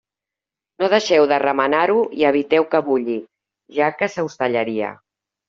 No deixeu de remenar-ho i eviteu que bulli, ja que se us tallaria.